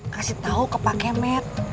kasih tau ke pak kemet